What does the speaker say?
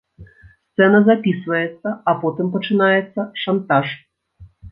Сцэна запісваецца, а потым пачынаецца шантаж.